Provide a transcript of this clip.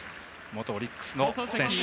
元オリックスの選手。